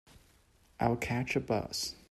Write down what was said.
I'll catch a bus.